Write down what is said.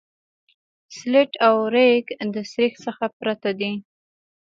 سلټ او ریګ د سریښ څخه پرته دي